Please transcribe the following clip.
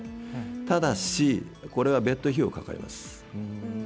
ただし、これは別途費用がかかります。